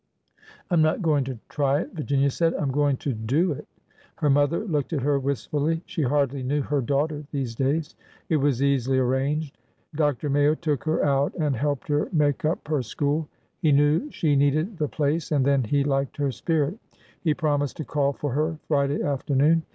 I 'm not going to ^ try ' it," Virginia said. '' I 'm going to do it.^' Her mother looked at her wistfully. She hardly knew her daughter these days. It was easily arranged. Dr. Mayo took her out and helped her make up her school. He knew she needed the place, and then he liked her spirit. He promised to call for her Friday afternoon.